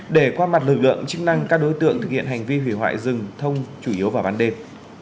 để qua mặt lực lượng chức năng các đối tượng thực hiện hành vi hủy hoại rừng thông chủ yếu vào ban đêm